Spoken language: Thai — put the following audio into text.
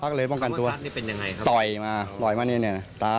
เป็นยังไงสตรีมาว่าหนู